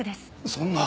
そんな！